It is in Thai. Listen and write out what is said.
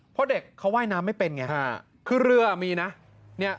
เพราะเด็กเขาว่ายน้ำไม่เป็นไงคือเรือมีนะ